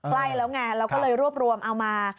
ใกล้แล้วไงเราก็เลยรวบรวมเอามา